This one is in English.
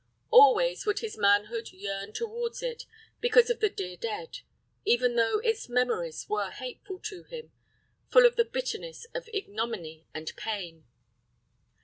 Always would his manhood yearn towards it because of the dear dead, even though its memories were hateful to him, full of the bitterness of ignominy and pain.